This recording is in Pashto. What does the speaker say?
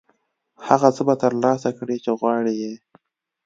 هغه څه به ترلاسه کړې چې غواړې یې.